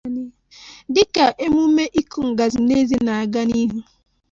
Dịka emume ịkụ ngazị n'eze na-aga n'ihu